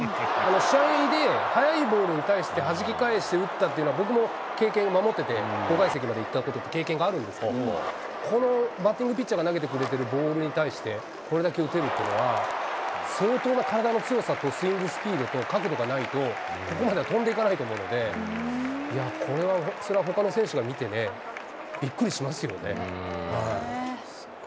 試合で速いボールに対してはじき返して打ったっていうのは、僕も経験を持ってて、５階席まで行ったことって、経験があるんですけど、このバッティングピッチャーが投げてくれているボールに対して、これだけ打てるっていうのは、相当な体の強さとスイングスピードと角度がないと、ここまでは飛んでいかないと思うので、いや、これは、それはほかの選手が見てね、びっくりしますよね。